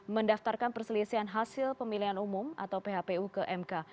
mendaftarkan perselisihan hasil pemilihan umum atau phpu ke mk